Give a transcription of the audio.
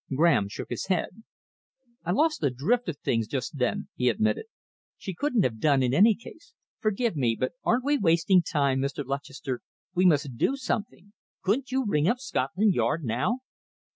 Graham shook his head. "I lost the drift of things just then," he admitted. "She couldn't have done, in any case. Forgive me, but aren't we wasting time, Mr. Lutchester? We must do something. Couldn't you ring up Scotland Yard now?"